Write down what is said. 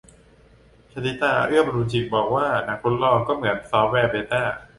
ชลิตา เอื้อบำรุงจิต บอกว่า หนังทดลอง ก็เหมือน ซอฟต์แวร์เบต้า